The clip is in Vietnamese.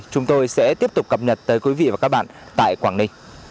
chúng tôi sẽ tiếp tục cập nhật tới quý vị và các bạn tại quảng ninh